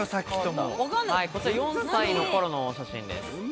こちら、４歳の頃の写真です。